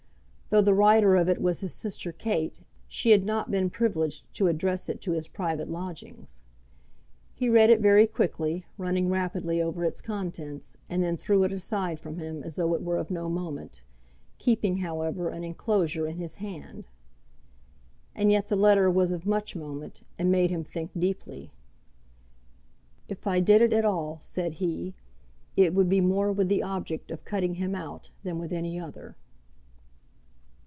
Though the writer of it was his sister Kate, she had not been privileged to address it to his private lodgings. He read it very quickly, running rapidly over its contents, and then threw it aside from him as though it were of no moment, keeping, however, an enclosure in his hand. And yet the letter was of much moment, and made him think deeply. "If I did it at all," said he, "it would be more with the object of cutting him out than with any other."